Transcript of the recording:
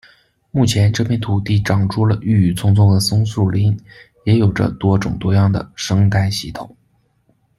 目前，这片土地长出了郁郁葱葱的松树林，也有着多种多样的生态系统。